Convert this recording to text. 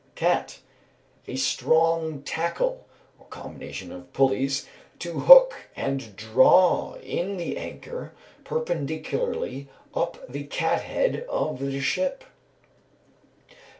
Cat. A strong tackle, or combination of pulleys, to hook and draw in the anchor perpendicularly up to the cat head of the ship.